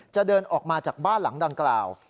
เดินออกมาจากบ้านหลังดังกล่าว